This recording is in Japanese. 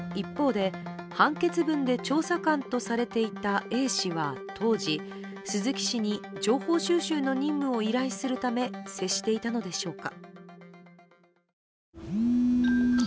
一方で調査官とされるＡ氏は鈴木氏に情報収集の任務を依頼するため接していたのでしょうか。